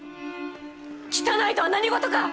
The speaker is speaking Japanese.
汚いとは何事か！